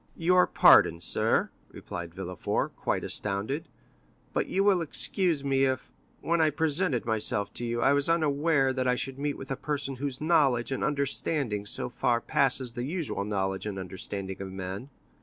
"Your pardon, sir," replied Villefort, quite astounded, "but you will excuse me if, when I presented myself to you, I was unaware that I should meet with a person whose knowledge and understanding so far surpass the usual knowledge and understanding of men.